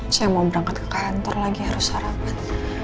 saya mau berangkat ke kantor lagi harus sarapan